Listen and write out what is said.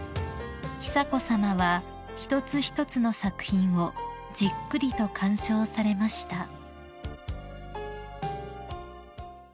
［久子さまは一つ一つの作品をじっくりと鑑賞されました］